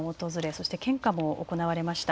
そして献花も行われました。